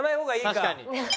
確かに。